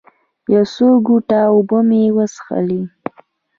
یو څو ګوټه اوبه مې وڅښلې.